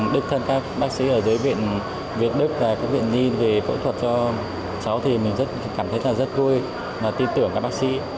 đức thân các bác sĩ ở dưới viện việt đức và các viện nhi về phẫu thuật cho cháu thì mình cảm thấy là rất vui và tin tưởng các bác sĩ